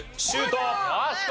シュート！